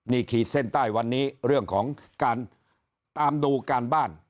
นี่ขีดเส้นใต้วันนี้เรื่องของการตามดูการบ้าน